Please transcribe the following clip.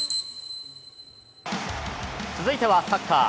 続いてはサッカー。